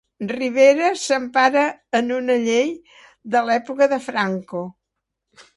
Rivera s'empara en una llei de l'època de Franco